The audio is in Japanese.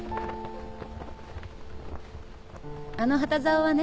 あの旗竿はね